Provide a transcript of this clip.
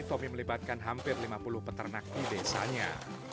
tommy melibatkan hampir lima puluh peternak di desanya